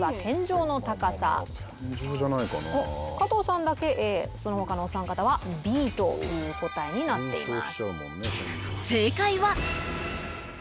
加藤さんだけＡその他のお三方はＢという答えになっています